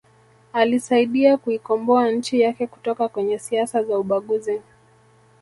Alisaidia kuikomboa nchi yake kutoka kwenye siasa za ubaguzi